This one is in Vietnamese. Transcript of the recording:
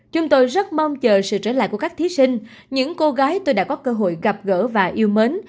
chúng tôi rất mong chờ sự trở lại của các thí sinh những cô gái tôi đã có cơ hội gặp gỡ và yêu mến